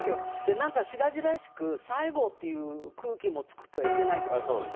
なんか白々しく、最後っていう空気も作ってはいけないじゃないですか。